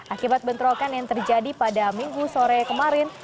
akibat bentrokan yang terjadi pada minggu sore kemarin